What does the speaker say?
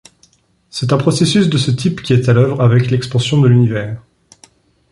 C'est un processus de ce type qui est à l'œuvre avec l'expansion de l'Univers.